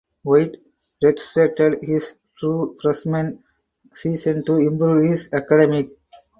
White redshirted his true freshman season to improve his academics.